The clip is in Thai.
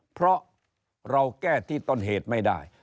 เพราะเราแก้ที่ต้นเหตุไม่ได้